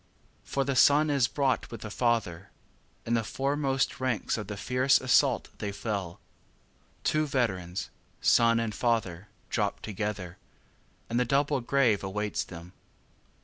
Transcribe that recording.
5. For the son is brought with the father; In the foremost ranks of the fierce assault they fell; Two veterans, son and father, dropped together, And the double grave awaits them.